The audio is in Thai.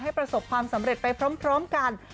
ประสบความสำเร็จไปพร้อมกัน